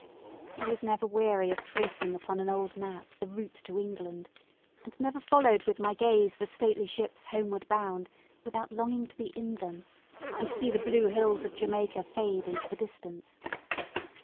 I was never weary of tracing upon an old map the route to England; and never followed with my gaze the stately ships homeward bound without longing to be in them, and see the blue hills of Jamaica fade into the distance.